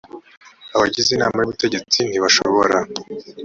abagize inama y ubutegetsi ntibashobora however